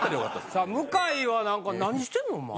さあ向井はなんか何してんのおまえ？